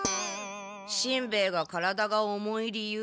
しんべヱが体が重い理由。